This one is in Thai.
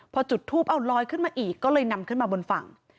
พอจุดทูปเอาลอยขึ้นมาอีกก็เลยนำขึ้นมาบนฝั่ง